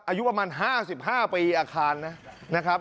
อายุประมาณ๕๕ปีอาคารนะครับ